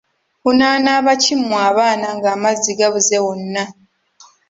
Munaanaaba ki mmwe abaana ng'amazzi gabuze wonna?